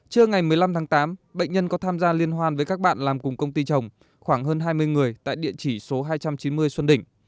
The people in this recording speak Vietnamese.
trưa ngày một mươi năm tháng tám bệnh nhân có tham gia liên hoan với các bạn làm cùng công ty chồng khoảng hơn hai mươi người tại địa chỉ số hai trăm chín mươi xuân đỉnh